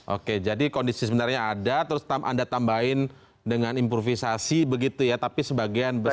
oke jadi kondisi sebenarnya ada terus anda tambahin dengan improvisasi begitu ya tapi sebagian besar